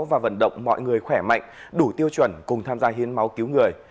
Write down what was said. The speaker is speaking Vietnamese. và vận động mọi người khỏe mạnh đủ tiêu chuẩn cùng tham gia hiến máu cứu người